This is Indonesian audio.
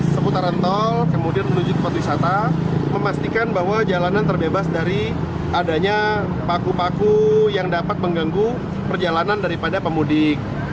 seputaran tol kemudian menuju tempat wisata memastikan bahwa jalanan terbebas dari adanya paku paku yang dapat mengganggu perjalanan daripada pemudik